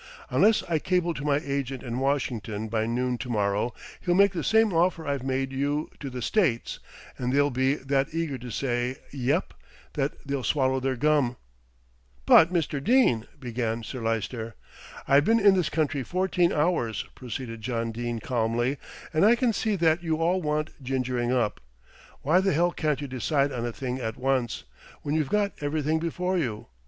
Unless I cable to my agent in Washin'ton by noon to morrow, he'll make the same offer I've made you to the States, and they'll be that eager to say 'Yep,' that they'll swallow their gum." "But, Mr. Dene " began Sir Lyster. "I've been in this country fourteen hours," proceeded John Dene calmly, "and I can see that you all want gingering up. Why the hell can't you decide on a thing at once, when you've got everything before you?